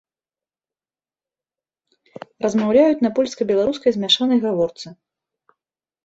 Размаўляюць на польска-беларускай змяшанай гаворцы.